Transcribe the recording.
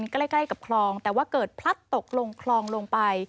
ใกล้กับคลองแต่ว่าเกิดพลัดตกลงคลองลงไป